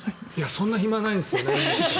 そんな暇ないんですよね。